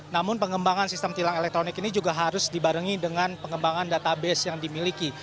namun pengembangan sistem tilang elektronik ini juga harus dibarengi dengan pengembangan database yang dimiliki